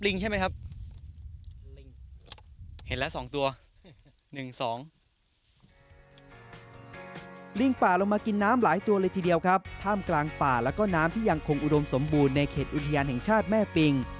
ลิงป่าลงมากินน้ำหลายตัวเลยทีเดียวครับท่ามกลางป่าแล้วก็น้ำที่ยังคงอุดมสมบูรณ์ในเขตอุทยานแห่งชาติแม่ปิง